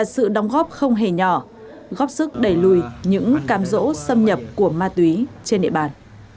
sự đóng góp không hề nhỏ góp sức đẩy lùi những cam rỗ xâm nhập của ma túy trên địa bàn